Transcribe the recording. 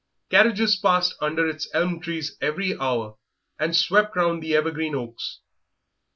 Carriages passed under its elm trees at every hour and swept round the evergreen oaks.